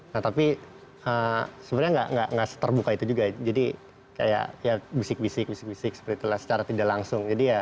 nah tapi sebenarnya gak terbuka itu juga jadi kayak bisik bisik seperti itulah secara tidak langsung